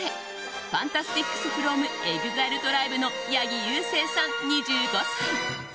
ＦＡＮＴＡＳＴＩＣＳｆｒｏｍＥＸＩＬＥＴＲＩＢＥの八木勇征さん、２５歳。